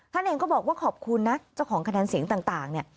ท่านเองก็บอกว่าขอบคุณนะเจ้าของคะแนนเสียงต่างเนี่ย